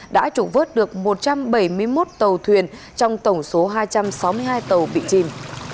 đã trục vớt được một trăm bảy mươi một tàu thuyền trong tổng số hai trăm sáu mươi hai tàu bị chìm